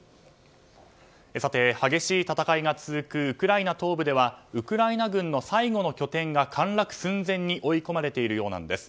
激しい戦いが続くウクライナ東部ではウクライナ軍の最後の拠点が陥落寸前に追い込まれているようなんです。